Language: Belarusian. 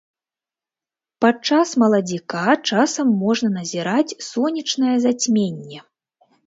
Падчас маладзіка часам можна назіраць сонечнае зацьменне.